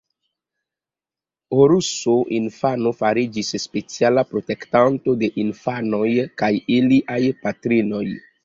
Horuso infano fariĝis speciala protektanto de infanoj kaj iliaj patrinoj.